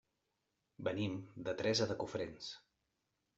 Venim de Teresa de Cofrents.